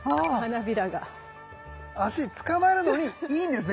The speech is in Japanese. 足つかまるのにいいんですね